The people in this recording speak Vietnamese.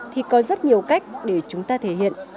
thì có rất nhiều cách để chúng ta thể hiện